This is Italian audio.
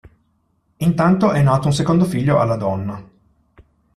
Intanto è nato un secondo figlio alla donna.